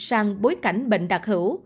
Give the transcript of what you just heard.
sang bối cảnh bệnh đặc hữu